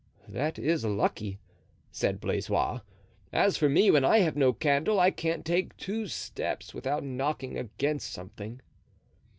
"That is lucky," said Blaisois. "As for me, when I have no candle I can't take two steps without knocking against something."